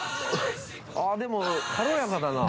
ああでも軽やかだな。